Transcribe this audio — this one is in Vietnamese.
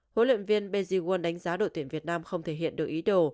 huấn luyện viên beji won đánh giá đội tuyển việt nam không thể hiện được ý đồ